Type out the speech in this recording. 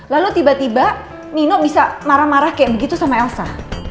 lalu tiba tiba nino bisa marah marah kayak begitu sama elsa